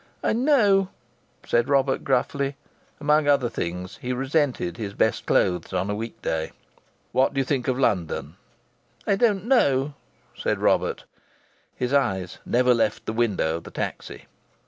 "I know," said Robert, gruffly. Among other things, he resented his best clothes on a week day. "What do you think of London?" "I don't know," said Robert. His eyes never left the window of the taxi.